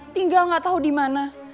tinggal gak tau dimana